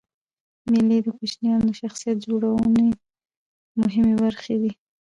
مېلې د کوچنيانو د شخصیت جوړنوني مهمي برخي دي.